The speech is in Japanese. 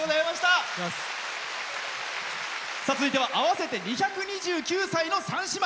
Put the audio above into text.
続いては合わせて２２９歳の３姉妹。